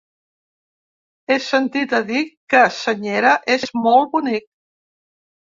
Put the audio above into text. He sentit a dir que Senyera és molt bonic.